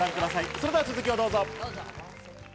それでは続きをどうぞ。